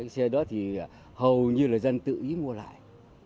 xe đó thì hầu như là dân tự ý mua lại